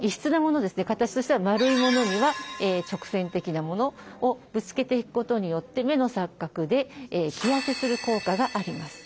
形としては丸いものには直線的なものをぶつけていくことによって目の錯覚で着やせする効果があります。